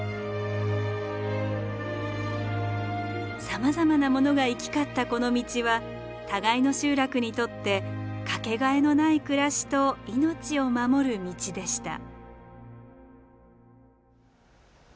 さまざまなものが行き交ったこの道は互いの集落にとって掛けがえのない暮らしと命を守る道でした。